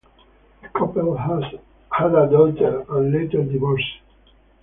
The couple had a daughter and later divorced.